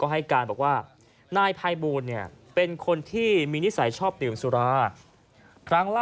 ให้การว่านายพัยบูลเป็นคนที่มีนิสัยชอบเติมสุระ